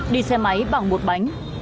đi xe máy bằng bột bánh